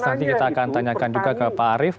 nanti kita akan tanyakan juga ke pak arief